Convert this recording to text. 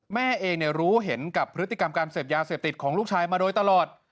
แม่เองรู้เห็นกับพฤติกรรมการเสพยาเสพติดของลูกชายมาโดยตลอด